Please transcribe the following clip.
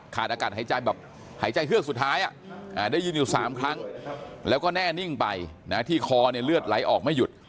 อากาศหายใจแบบหายใจเฮือกสุดท้ายได้ยินอยู่๓ครั้งแล้วก็แน่นิ่งไปที่คอเนี่ยเลือดไหลออกไม่หยุด